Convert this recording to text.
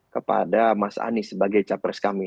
kepada mas anies sebagai capres kami